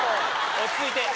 落ち着いて。